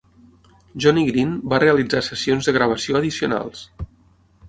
Johnny Green va realitzar sessions de gravació addicionals.